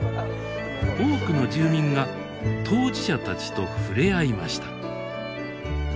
多くの住民が当事者たちと触れ合いました。